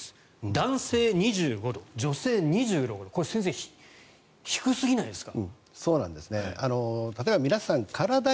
男性、２５度女性、２６度これ先生、低すぎないですか？